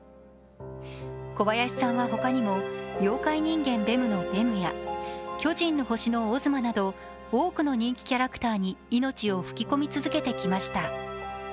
小林さんは他にも、「妖怪人間ベム」のベムや「巨人の星」のオズマなど多くの人気キャラクターに命を吹き込み続けてきました。